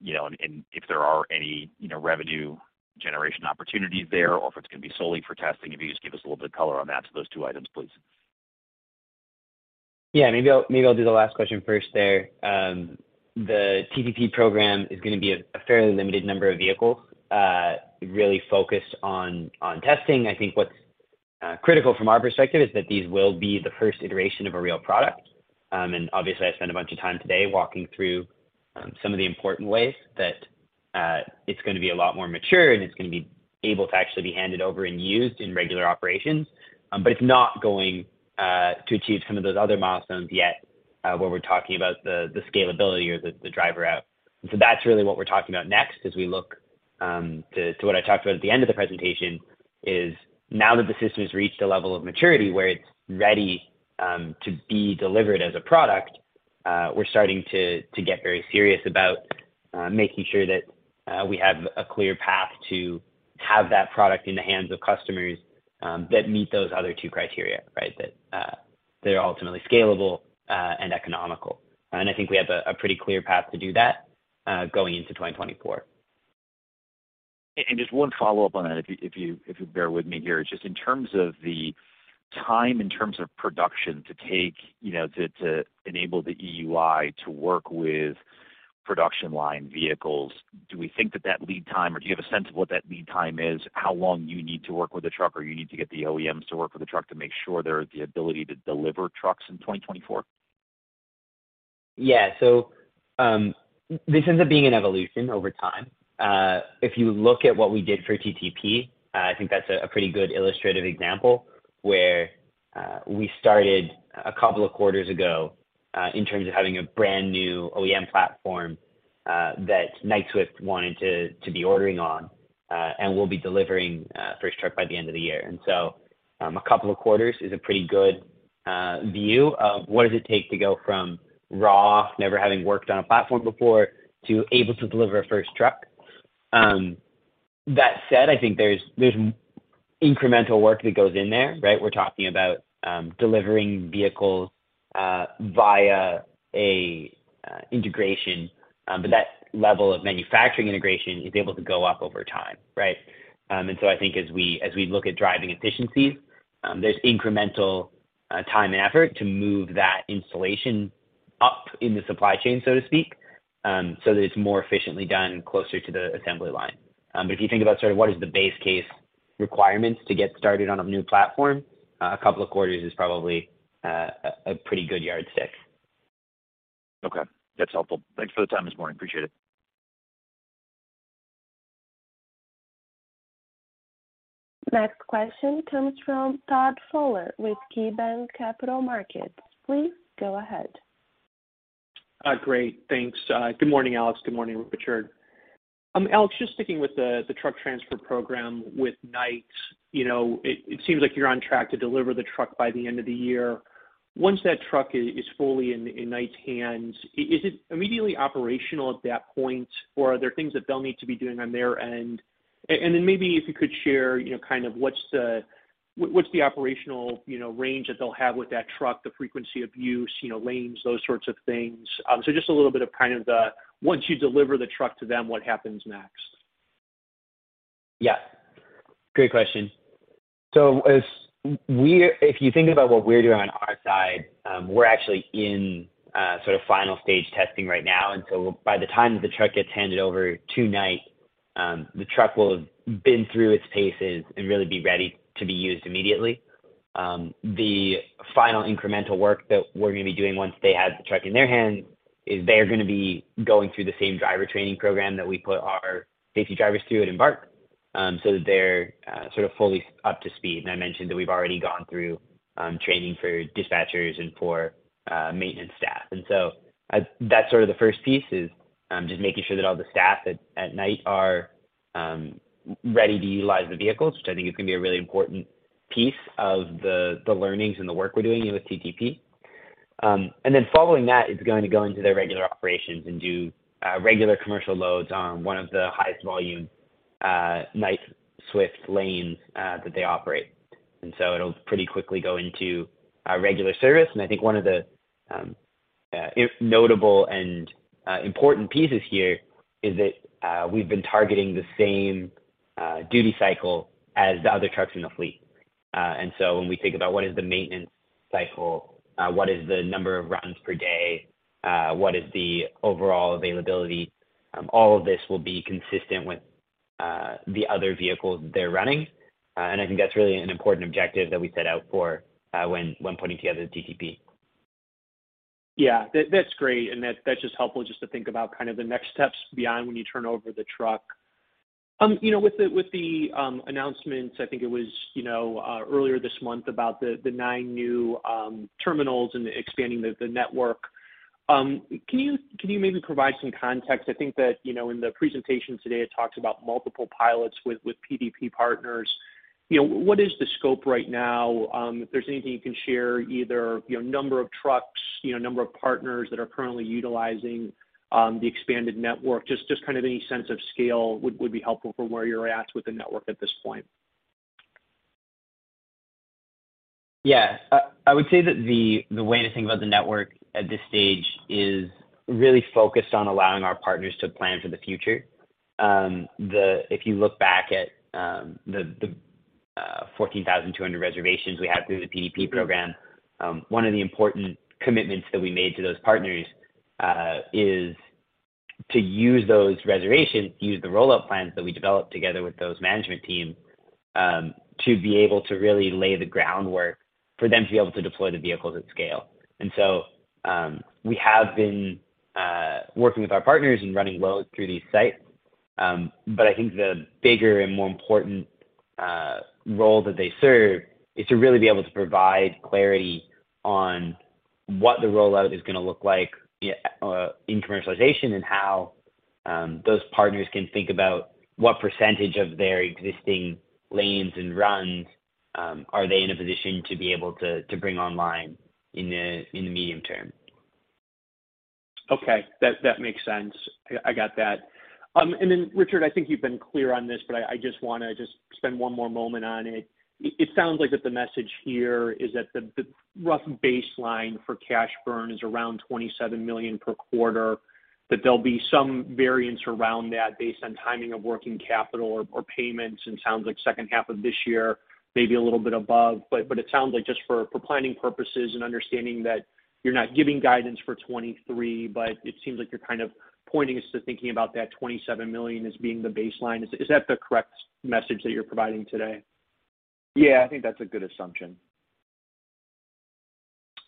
you know, and if there are any, you know, revenue generation opportunities there or if it's gonna be solely for testing. If you just give us a little bit of color on that to those two items, please. Yeah. Maybe I'll do the last question first there. The TTP program is gonna be a fairly limited number of vehicles, really focused on testing. I think what's critical from our perspective is that these will be the first iteration of a real product. Obviously, I spent a bunch of time today walking through some of the important ways that it's gonna be a lot more mature, and it's gonna be able to actually be handed over and used in regular operations. It's not going to achieve some of those other milestones yet, where we're talking about the scalability or the driver app. That's really what we're talking about next as we look to what I talked about at the end of the presentation. Now that the system's reached a level of maturity where it's ready to be delivered as a product, we're starting to get very serious about making sure that we have a clear path to have that product in the hands of customers that meet those other two criteria, right? That they're ultimately scalable and economical. I think we have a pretty clear path to do that going into 2024. Just one follow-up on that if you bear with me here. Just in terms of the time in terms of production to take, you know, to enable the EUI to work with production line vehicles, do we think that lead time or do you have a sense of what that lead time is, how long you need to work with a truck or you need to get the OEMs to work with the truck to make sure there is the ability to deliver trucks in 2024? Yeah. This ends up being an evolution over time. If you look at what we did for TTP, I think that's a pretty good illustrative example where we started a couple of quarters ago in terms of having a brand new OEM platform that Knight-Swift wanted to be ordering on, and we'll be delivering first truck by the end of the year. A couple of quarters is a pretty good view of what does it take to go from raw, never having worked on a platform before, to able to deliver a first truck. That said, I think there's incremental work that goes in there, right? We're talking about delivering vehicles via a integration. But that level of manufacturing integration is able to go up over time, right? I think as we look at driving efficiencies, there's incremental time and effort to move that installation up in the supply chain, so to speak, so that it's more efficiently done closer to the assembly line. If you think about sort of what is the base case requirements to get started on a new platform, a couple of quarters is probably a pretty good yardstick. Okay. That's helpful. Thanks for the time this morning. Appreciate it. Next question comes from Todd Fowler with KeyBanc Capital Markets. Please go ahead. Great. Thanks. Good morning, Alex. Good morning, Richard. Alex, just sticking with the truck transfer program with Knight-Swift. You know, it seems like you're on track to deliver the truck by the end of the year. Once that truck is fully in Knight-Swift's hands, is it immediately operational at that point, or are there things that they'll need to be doing on their end? Then maybe if you could share, you know, kind of what's the operational range that they'll have with that truck, the frequency of use, you know, lanes, those sorts of things. So just a little bit of kind of the once you deliver the truck to them, what happens next? Yeah. Great question. If you think about what we're doing on our side, we're actually in sort of final stage testing right now. By the time that the truck gets handed over to Knight, the truck will have been through its paces and really be ready to be used immediately. The final incremental work that we're gonna be doing once they have the truck in their hands is they're gonna be going through the same driver training program that we put our safety drivers through at Embark, so that they're sort of fully up to speed. I mentioned that we've already gone through training for dispatchers and for maintenance staff. That's sort of the first piece is just making sure that all the staff at Knight are ready to utilize the vehicles, which I think is gonna be a really important piece of the learnings and the work we're doing with TTP. Then following that, it's going to go into their regular operations and do regular commercial loads on one of the highest volume Knight-Swift lanes that they operate. It'll pretty quickly go into our regular service. I think one of the notable and important pieces here is that we've been targeting the same duty cycle as the other trucks in the fleet. When we think about what is the maintenance cycle, what is the number of runs per day, what is the overall availability, all of this will be consistent with the other vehicles they're running. I think that's really an important objective that we set out for when putting together the TTP. Yeah. That's great. That's just helpful just to think about kind of the next steps beyond when you turn over the truck. You know, with the announcements, I think it was, you know, earlier this month about the 9 new terminals and expanding the network. Can you maybe provide some context? I think that, you know, in the presentation today, it talks about multiple pilots with PDP partners. You know, what is the scope right now? If there's anything you can share, either, you know, number of trucks, you know, number of partners that are currently utilizing the expanded network. Just kind of any sense of scale would be helpful for where you're at with the network at this point. Yes. I would say that the way to think about the network at this stage is really focused on allowing our partners to plan for the future. If you look back at the 14,200 reservations we had through the PDP program, one of the important commitments that we made to those partners is to use those reservations, to use the rollout plans that we developed together with those management team, to be able to really lay the groundwork for them to be able to deploy the vehicles at scale. We have been working with our partners and running loads through these sites. I think the bigger and more important role that they serve is to really be able to provide clarity on what the rollout is gonna look like in commercialization and how those partners can think about what percentage of their existing lanes and runs are they in a position to be able to bring online in the medium term. Okay. That makes sense. I got that. Richard, I think you've been clear on this, but I just wanna spend one more moment on it. It sounds like the message here is that the rough baseline for cash burn is around $27 million per quarter, that there'll be some variance around that based on timing of working capital or payments, and sounds like second half of this year, maybe a little bit above. It sounds like just for planning purposes and understanding that you're not giving guidance for 2023, but it seems like you're kind of pointing us to thinking about that $27 million as being the baseline. Is that the correct message that you're providing today? Yeah, I think that's a good assumption.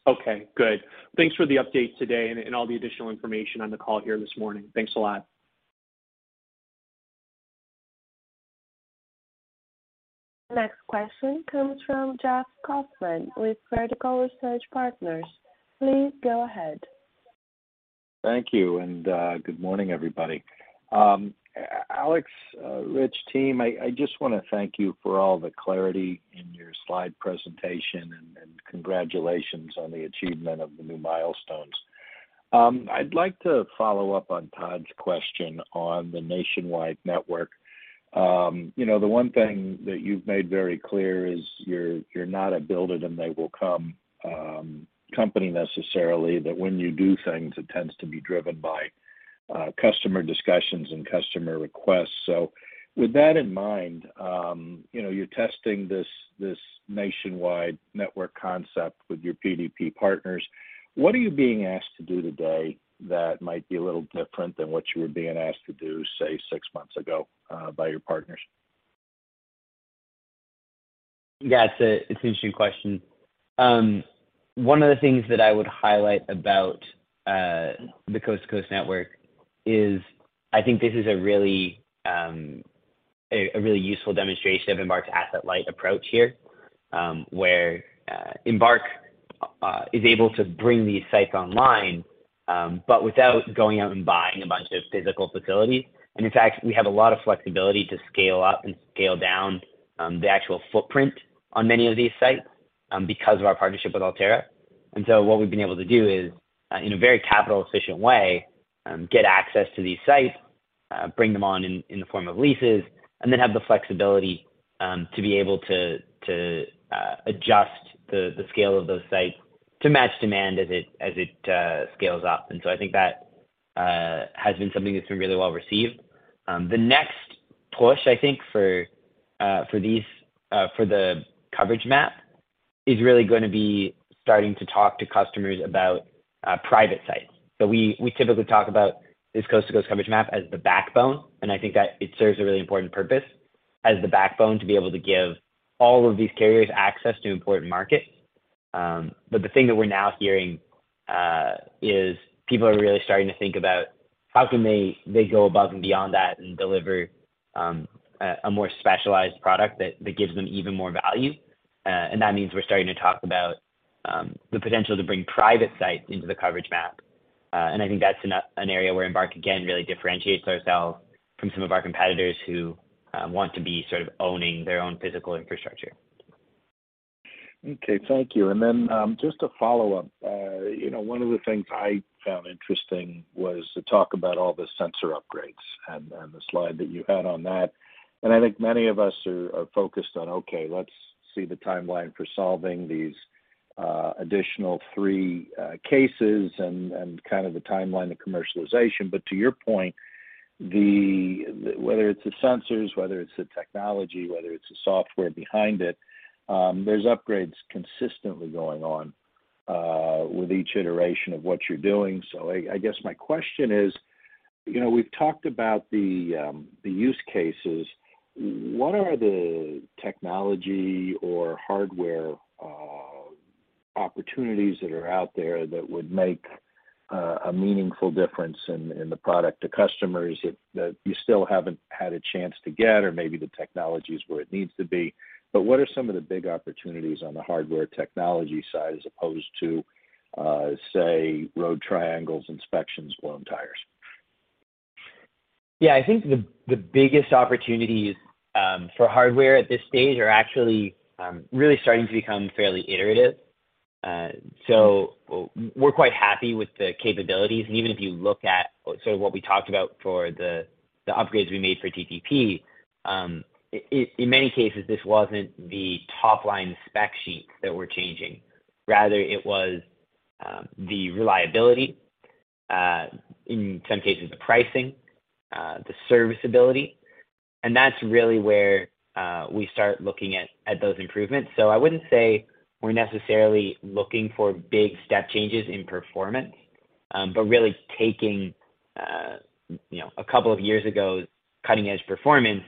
Okay, good. Thanks for the update today and all the additional information on the call here this morning. Thanks a lot. Next question comes from Jeff Kauffman with Vertical Research Partners. Please go ahead. Thank you. Good morning, everybody. Alex, Richard, team, I just want to thank you for all the clarity in your slide presentation and congratulations on the achievement of the new milestones. I'd like to follow up on Todd's question on the nationwide network. You know, the one thing that you've made very clear is you're not a build it and they will come company necessarily, that when you do things, it tends to be driven by customer discussions and customer requests. With that in mind, you know, you're testing this nationwide network concept with your PDP partners. What are you being asked to do today that might be a little different than what you were being asked to do, say, six months ago, by your partners? Yeah, it's an interesting question. One of the things that I would highlight about the coast-to-coast network is I think this is a really useful demonstration of Embark's asset-light approach here, where Embark is able to bring these sites online but without going out and buying a bunch of physical facilities. In fact, we have a lot of flexibility to scale up and scale down the actual footprint on many of these sites because of our partnership with Alterra. What we've been able to do is, in a very capital efficient way, get access to these sites, bring them on in the form of leases, and then have the flexibility to be able to adjust the scale of those sites to match demand as it scales up. I think that has been something that's been really well received. The next push, I think, for these for the coverage map is really gonna be starting to talk to customers about private sites. We typically talk about this coast-to-coast coverage map as the backbone, and I think that it serves a really important purpose as the backbone to be able to give all of these carriers access to important markets. The thing that we're now hearing is people are really starting to think about how they can go above and beyond that and deliver a more specialized product that gives them even more value. That means we're starting to talk about the potential to bring private sites into the coverage map. I think that's an area where Embark again really differentiates ourselves from some of our competitors who want to be sort of owning their own physical infrastructure. Okay. Thank you. Then, just a follow-up. You know, one of the things I found interesting was the talk about all the sensor upgrades and the slide that you had on that. I think many of us are focused on, okay, let's see the timeline for solving these additional three cases and kind of the timeline to commercialization. To your point, whether it's the sensors, whether it's the technology, whether it's the software behind it, there's upgrades consistently going on with each iteration of what you're doing. I guess my question is, you know, we've talked about the use cases. What are the technology or hardware opportunities that are out there that would make a meaningful difference in the product to customers that you still haven't had a chance to get or maybe the technology is where it needs to be, but what are some of the big opportunities on the hardware technology side as opposed to say, road triangles, inspections, blown tires? Yeah. I think the biggest opportunities for hardware at this stage are actually really starting to become fairly iterative. We're quite happy with the capabilities. Even if you look at sort of what we talked about for the upgrades we made for TTP, in many cases, this wasn't the top-line spec sheets that were changing. Rather it was the reliability, in some cases, the pricing, the serviceability. That's really where we start looking at those improvements. I wouldn't say we're necessarily looking for big step changes in performance, but really taking, you know, a couple of years ago, cutting-edge performance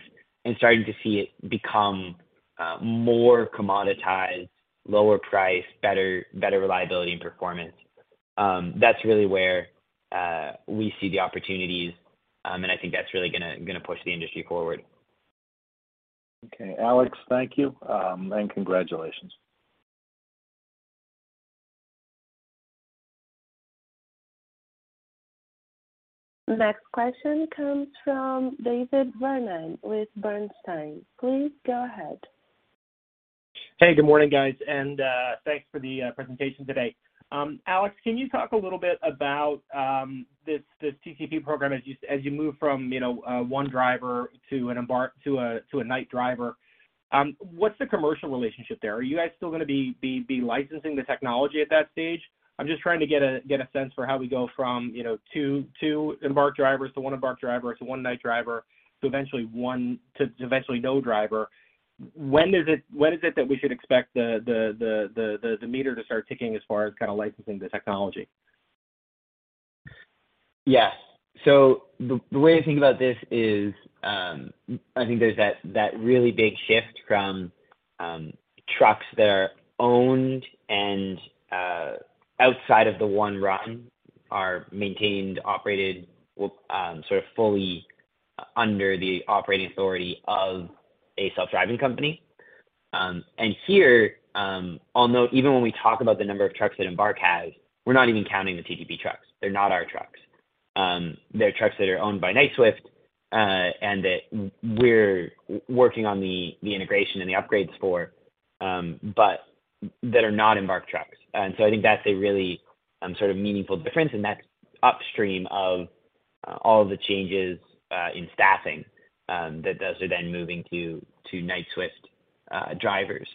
and starting to see it become more commoditized, lower price, better reliability and performance. That's really where we see the opportunities, and I think that's really gonna push the industry forward. Okay, Alex, thank you, and congratulations. Next question comes from David Vernon with Bernstein. Please go ahead. Hey, good morning, guys, and thanks for the presentation today. Alex, can you talk a little bit about this TTP program as you move from, you know, 1 driver to a Knight driver. What's the commercial relationship there? Are you guys still gonna be licensing the technology at that stage? I'm just trying to get a sense for how we go from, you know, 2 Embark drivers to 1 Embark driver, to 1 Knight driver, to eventually no driver. When is it that we should expect the meter to start ticking as far as kinda licensing the technology? Yes. The way I think about this is, I think there's that really big shift from trucks that are owned and outside of the one run are maintained, operated, sort of fully under the operating authority of a self-driving company. Here, I'll note, even when we talk about the number of trucks that Embark has, we're not even counting the TTP trucks. They're not our trucks. They're trucks that are owned by Knight-Swift, and that we're working on the integration and the upgrades for, but that are not Embark trucks. I think that's a really sort of meaningful difference, and that's upstream of all the changes in staffing that those are then moving to Knight-Swift drivers.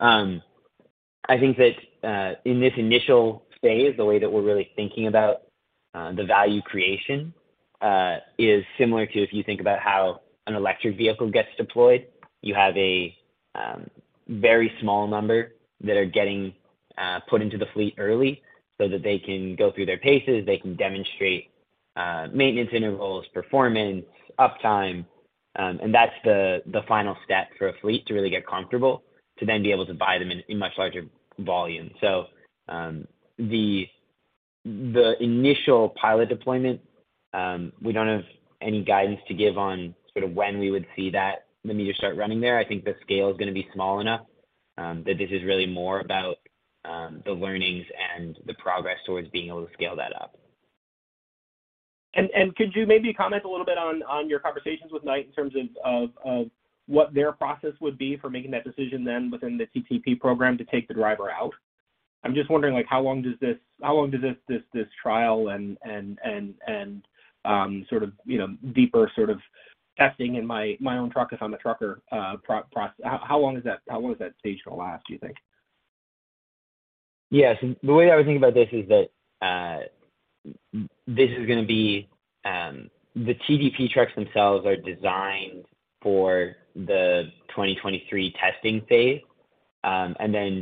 I think that in this initial phase, the way that we're really thinking about the value creation is similar to if you think about how an electric vehicle gets deployed. You have a very small number that are getting put into the fleet early so that they can go through their paces, they can demonstrate maintenance intervals, performance, uptime, and that's the final step for a fleet to really get comfortable to then be able to buy them in a much larger volume. The initial pilot deployment, we don't have any guidance to give on sort of when we would see that, the meter start running there. I think the scale is gonna be small enough that this is really more about the learnings and the progress towards being able to scale that up. Could you maybe comment a little bit on your conversations with Knight-Swift in terms of what their process would be for making that decision then within the TTP program to take the driver out? I'm just wondering, like, how long does this trial and sort of, you know, deeper sort of testing in my own truck if I'm a trucker. How long is that stage gonna last, do you think? Yes. The way I would think about this is that this is gonna be the TTP trucks themselves are designed for the 2023 testing phase.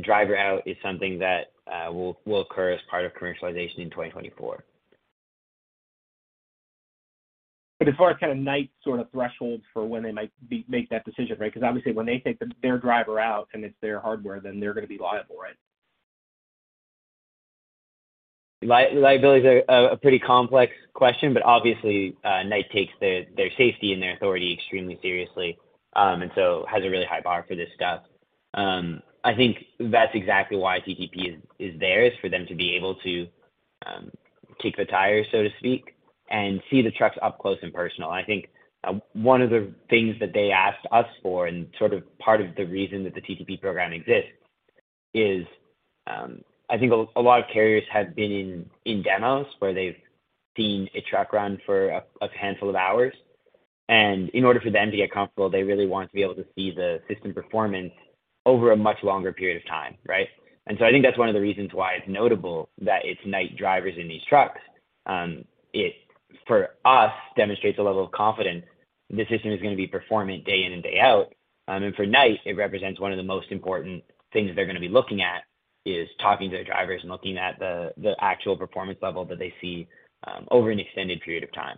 Driver out is something that will occur as part of commercialization in 2024. As far as kinda Knight-Swift sort of thresholds for when they might make that decision, right? 'Cause obviously, when they take their driver out and it's their hardware, then they're gonna be liable, right? Liability is a pretty complex question, but obviously, Knight-Swift takes their safety and their authority extremely seriously, and so has a really high bar for this stuff. I think that's exactly why TTP is theirs, for them to be able to kick the tires, so to speak, and see the trucks up close and personal. I think one of the things that they asked us for, and sort of part of the reason that the TTP program exists is, I think a lot of carriers have been in demos where they've seen a truck run for a handful of hours. In order for them to get comfortable, they really want to be able to see the system performance over a much longer period of time, right? I think that's one of the reasons why it's notable that it's Knight drivers in these trucks. It for us demonstrates a level of confidence the system is gonna be performing day in and day out. For Knight, it represents one of the most important things they're gonna be looking at is talking to their drivers and looking at the actual performance level that they see over an extended period of time.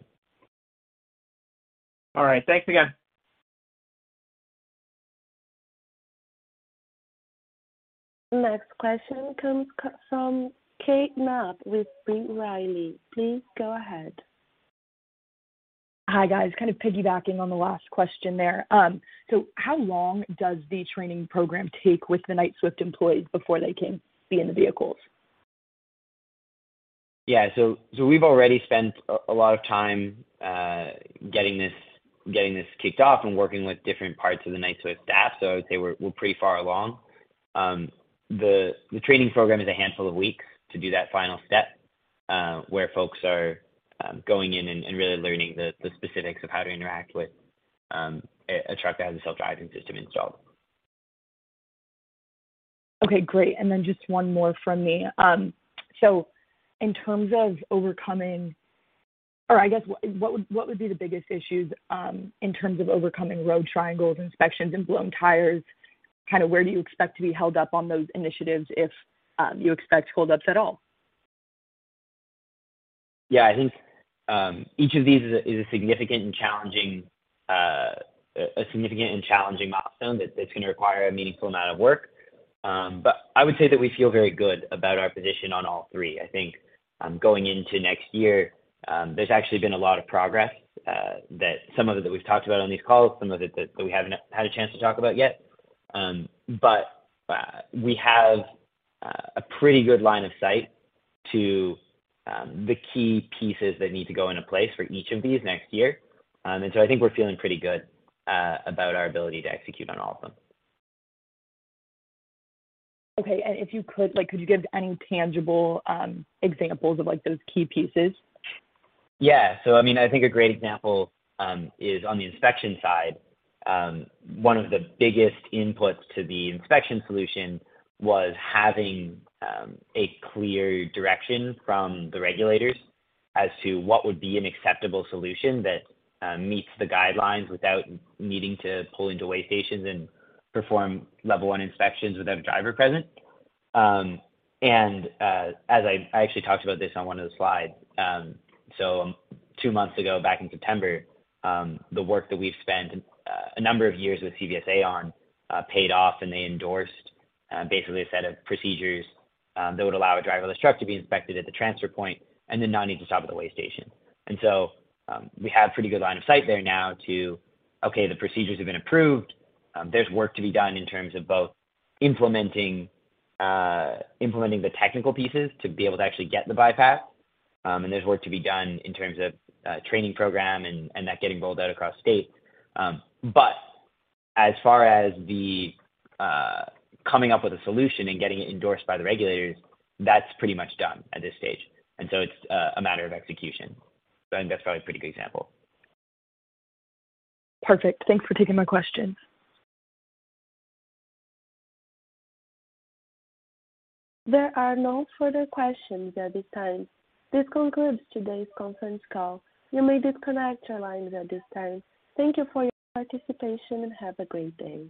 All right. Thanks again. Next question comes from Kate Knapp with B. Riley. Please go ahead. Hi, guys. Kind of piggybacking on the last question there. How long does the training program take with the Knight-Swift employees before they can be in the vehicles? Yeah. We've already spent a lot of time getting this kicked off and working with different parts of the Knight-Swift staff. I would say we're pretty far along. The training program is a handful of weeks to do that final step, where folks are going in and really learning the specifics of how to interact with a truck that has a self-driving system installed. Okay, great. Just one more from me. I guess, what would be the biggest issues in terms of overcoming road triangles, inspections, and blown tires? Kind of where do you expect to be held up on those initiatives if you expect hold-ups at all? Yeah. I think each of these is a significant and challenging milestone that's gonna require a meaningful amount of work. I would say that we feel very good about our position on all three. I think going into next year, there's actually been a lot of progress that some of it that we've talked about on these calls, some of it that we haven't had a chance to talk about yet. We have a pretty good line of sight to the key pieces that need to go into place for each of these next year. I think we're feeling pretty good about our ability to execute on all of them. Okay. If you could, like, could you give any tangible examples of, like, those key pieces? Yeah. I mean, I think a great example is on the inspection side. One of the biggest inputs to the inspection solution was having a clear direction from the regulators as to what would be an acceptable solution that meets the guidelines without needing to pull into weigh stations and perform level one inspections without a driver present, and as I actually talked about this on one of the slides. Two months ago, back in September, the work that we've spent a number of years with CVSA on paid off, and they endorsed basically a set of procedures that would allow a driverless truck to be inspected at the transfer point and then not need to stop at the weigh station. We have pretty good line of sight there now to okay, the procedures have been approved. There's work to be done in terms of both implementing the technical pieces to be able to actually get the bypass, and there's work to be done in terms of training program and that getting rolled out across states. As far as the coming up with a solution and getting it endorsed by the regulators, that's pretty much done at this stage. It's a matter of execution. I think that's probably a pretty good example. Perfect. Thanks for taking my questions. There are no further questions at this time. This concludes today's conference call. You may disconnect your lines at this time. Thank you for your participation, and have a great day.